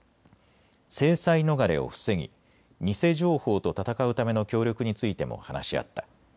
制裁逃れを防ぎ、偽情報と戦うための協力についても話し合った。